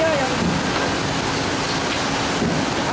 ini yang disebut moil